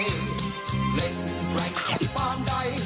กระแดงหลักใบนใด